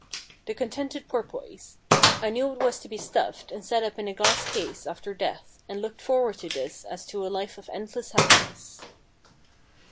The Contented Porpoise. It knew it was to be stuffed and set up in a glass case after death, and looked forward to this as to a life of endless happiness.